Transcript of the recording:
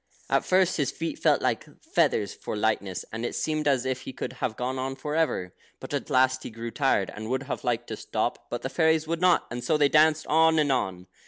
At first his feet felt like feathers for lightness, and it seemed as if he could have gone on for ever. But at last he grew tired, and would have liked to stop, but the fairies would not, and so they danced on and on.